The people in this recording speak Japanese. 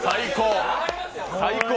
最高！